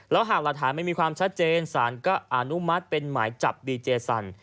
หากหลักฐานไม่มีความชัดเจนสารก็อนุมัติเป็นหมายจับดีเจสัน